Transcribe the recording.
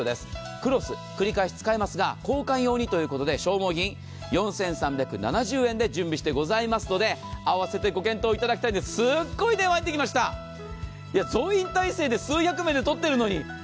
クロス、繰り返し使えますが、交換用にということで消耗品、４３７０円で準備してございますので、すっごい電話入ってきました、増員体制で数百名でとってるのに。